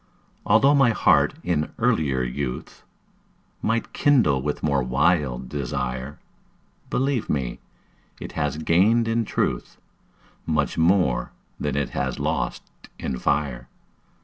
Altho' my heart in earlier youth Might kindle with more wild desire, Believe me, it has gained in truth Much more than it has lost in fire.